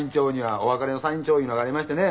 お別れのサイン帳いうのがありましてね。